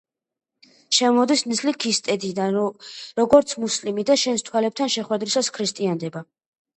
შემოდის ნისლი ქისტეთიდან, როგორც მუსლიმი და შენს თვალებთან შეხვედრისას ქრისტიანდება.